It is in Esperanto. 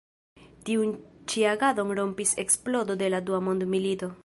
Tiun ĉi agadon rompis eksplodo de la dua mondmilito.